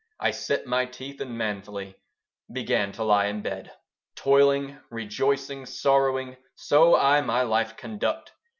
I set my teeth, and manfully Began to lie in bed. Toiling, rejoicing, sorrowing, So I my life conduct.